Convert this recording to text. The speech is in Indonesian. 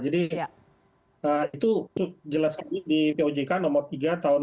jadi itu jelas di pojk nomor tiga tahun dua ribu lima belas sama dua puluh sembilan tahun dua ribu delapan belas